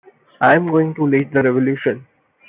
I'm going to lead the revolution!